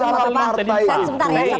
sekarang sebentar ya satu satu ya